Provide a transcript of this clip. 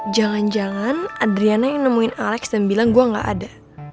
jangan jangan adriana yang nemuin alex dan bilang gue gak ada